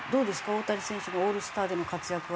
大谷選手のオールスターでの活躍は。